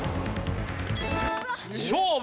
勝負！